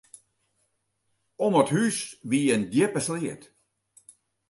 Om it hús wie in djippe sleat.